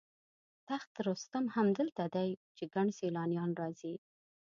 تخت رستم هم دلته دی چې ګڼ سیلانیان راځي.